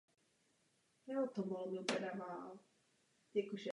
Zastával pak tedy středně významné posty na stranických a vládních úrovních.